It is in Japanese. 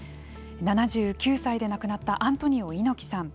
７９歳で亡くなったアントニオ猪木さん。